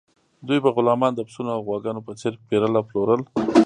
دوی به غلامان د پسونو او غواګانو په څیر پیرل او پلورل.